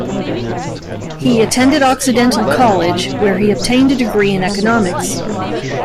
He attended Occidental College, where he obtained a degree in Economics.